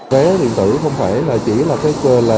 vé điện tử không phải là chỉ là